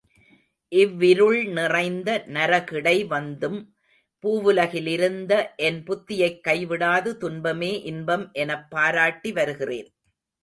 இவ்விருள் நிறைந்த நரகிடை வந்தும் பூவுலகிலிருந்த என் புத்தியைக் கைவிடாது, துன்பமே இன்பம் எனப்பாராட்டி வருகின்றேன்.